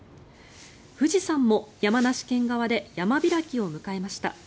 富士山も山梨県側で山開きを迎えました。